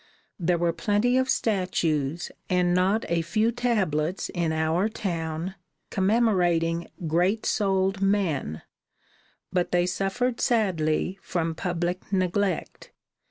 There were plenty of statues and not a few tablets in our town, commemorating great souled men, but they suffered sadly from public neglect.